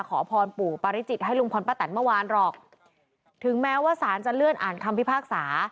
ขอพรปู่ปาริจิตให้ลุงพลป้าแตนเมื่อวานหรอกถึงแม้ว่าสารจะเลื่อนอ่านคำพิพากษา